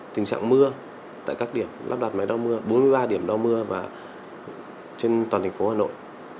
tình trạng mưa tại các điểm lắp đặt máy đo bốn mươi ba điểm đo mưa và trên toàn thành phố hà nội